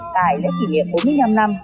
tại lễ kỷ niệm bốn mươi năm năm